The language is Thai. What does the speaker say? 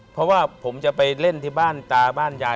เพราะว่าผมจะไปเล่นที่บ้านยายตลอดเวลา